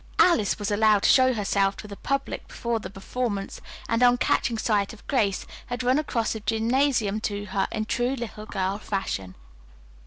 "Alice" was allowed to show herself to the public before the performance, and on catching sight of Grace had run across the gymnasium to her in true little girl fashion.